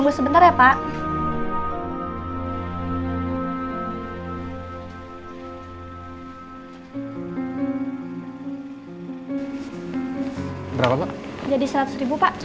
oke kalau gitu